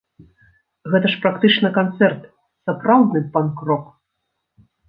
Гэта ж практычна канцэрт, сапраўдны панк-рок.